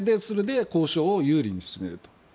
それで交渉を有利に進めると。